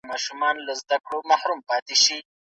بهرنۍ پالیسي د هیواد د راتلونکي نسلونو لپاره ده.